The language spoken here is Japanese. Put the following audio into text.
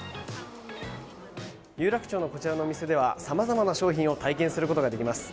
有楽町のこちらのお店では様々な商品を体験することができます。